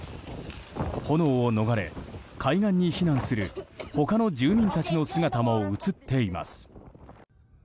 炎を逃れ、海岸に避難する他の住民たちの姿も映っています。